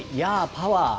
パワー！